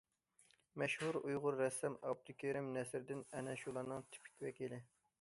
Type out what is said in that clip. مەشھۇر ئۇيغۇر رەسسام ئابدۇكېرىم نەسىردىن ئەنە شۇلارنىڭ تىپىك ۋەكىلى.